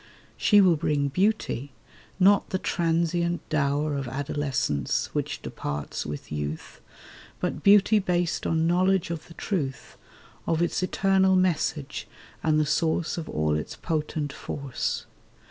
She will bring beauty, not the transient dower Of adolescence which departs with youth— But beauty based on knowledge of the truth Of its eternal message and the source Of all its potent force.